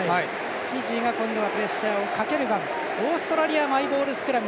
フィジーがプレッシャーをかければオーストラリアマイボールスクラム。